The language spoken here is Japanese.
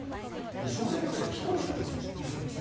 小選挙区制って１人しか当選しないんです。